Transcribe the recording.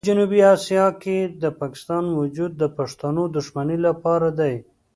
په جنوبي اسیا کې د پاکستان وجود د پښتنو د دښمنۍ لپاره دی.